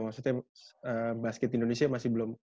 maksudnya basket indonesia masih belum